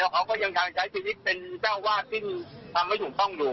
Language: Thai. เขาก็ยังทางใช้ชีวิตเป็นเจ้าวาดซึ่งทำไม่ถูกต้องอยู่